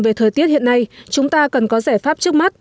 về thời tiết hiện nay chúng ta cần có giải pháp trước mắt